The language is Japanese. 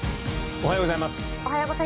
おはようございます。